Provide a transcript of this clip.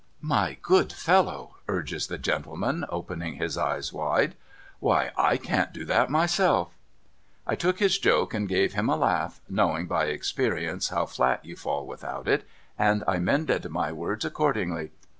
' My good fellow,' urges the gentleman, opening his eyes wide, ' why / can't do that myself !' I took his joke, and gave him a laugh (knowing by experience how flat you fall without it), and I mended my words accordingly.